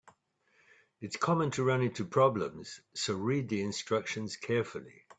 It's common to run into problems, so read the instructions carefully.